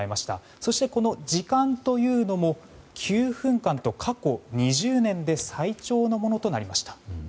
そして時間というのも９分間と過去２０年で最長のものとなりました。